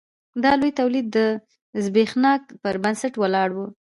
دا لوی تولید د ځبېښاک پر بنسټ ولاړ و.